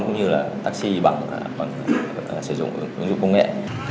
cũng như là taxi bằng hoặc sử dụng ứng dụng công nghệ